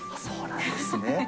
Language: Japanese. そうなんですね。